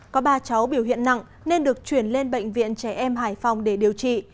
có ba cháu biểu hiện nặng nên được chuyển lên bệnh viện trẻ em hải phòng để điều trị